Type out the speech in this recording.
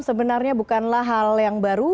sebenarnya bukanlah hal yang baru